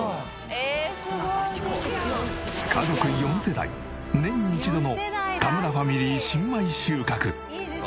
家族４世代年に一度の田村ファミリー新米収穫。